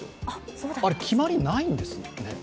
あれ、決まりはないんですね。